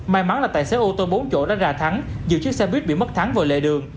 may mắn là tài xế ô tô bốn chỗ đã ra thắng dự chiếc xe buýt bị mất thắng vào lệ đường